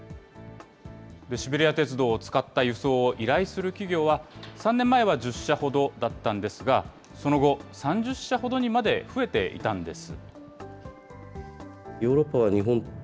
シベリア鉄道を使った輸送を依頼する企業は、３年前は１０社ほどだったんですが、その後、３０社ほどにまで増えていたんです。